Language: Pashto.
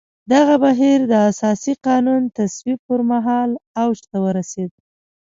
دغه بهیر د اساسي قانون تصویب پر مهال اوج ته ورسېد.